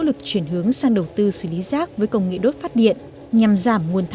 đã chủ động xây dựng lò đốt nhỏ